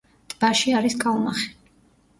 ტბაში არის კალმახი.